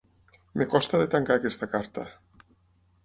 Em costa de tancar aquesta carta.